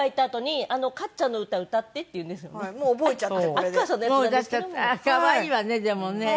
あっ可愛いわねでもね。